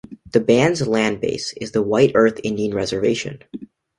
The band's land base is the White Earth Indian Reservation.